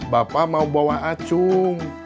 bapak mau bawa acung